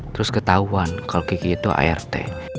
terus ketauan kalau gigi itu art